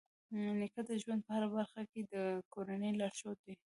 نیکه د ژوند په هره برخه کې د کورنۍ لارښود دی.